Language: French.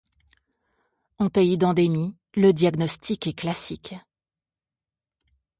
En pays d'endémie, le diagnostic est classique.